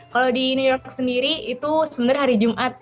kalau di new york sendiri itu sebenarnya hari jumat